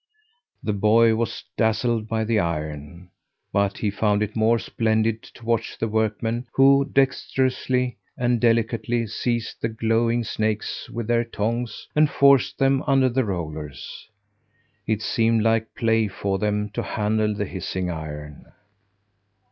The boy was dazzled by the iron. But he found it more splendid to watch the workmen who, dexterously and delicately, seized the glowing snakes with their tongs and forced them under the rollers. It seemed like play for them to handle the hissing iron.